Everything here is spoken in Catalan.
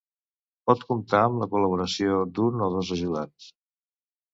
Pot comptar amb la col·laboració d'un o dos ajudants.